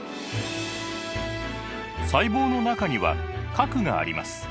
細胞の中には核があります。